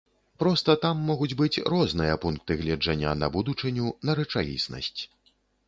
Проста там могуць быць розныя пункты гледжання на будучыню, на рэчаіснасць.